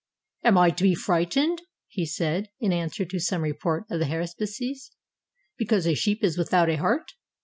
"Am I to be frightened," he said, in answer to some report of the haruspices, "because a sheep is without a heart?